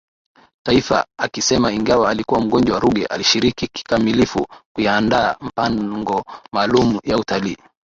Taifa akisema ingawa alikuwa mgonjwa Ruge alishiriki kikamilifu kuiandaa mpango maalumu ya utalii